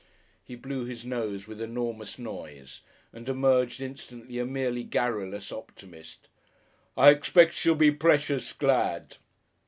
He blew his nose with enormous noise, and emerged instantly a merely garrulous optimist. "I expect she'll be precious glad."